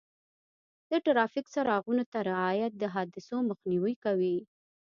د ټرافیک څراغونو ته رعایت د حادثو مخنیوی کوي.